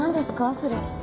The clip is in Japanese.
それ。